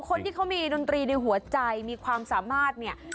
คนที่เขามีดนตรีในหัวใจมีความสามารถเนี่ย